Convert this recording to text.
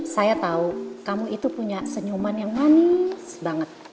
saya tahu kamu itu punya senyuman yang manis banget